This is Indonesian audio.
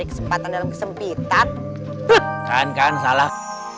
kesempatan kesempitan kan salah